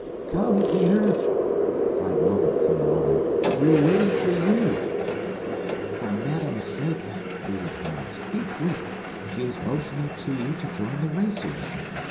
"Come, Peter!" cried Lambert from the line. "We are waiting for you." "For madame's sake," pleaded Hans, "be quick. She is motioning to you to join the racers.